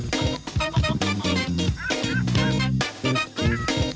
กลับไปกลับไป